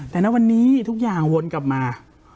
แต่ณวันนี้ทุกอย่างวนกลับมา